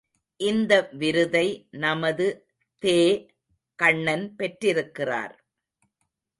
இந்த விருதை நமது தே.கண்ணன் பெற்றிருக்கிறார்!